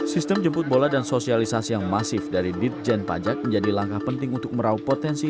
sistem jemput bola dan sosialisasi yang masif dari ditjen pajak menjadi langkah penting untuk merauh potensi